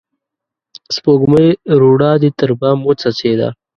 سپوږمۍ روڼا دي تر بام وڅڅيده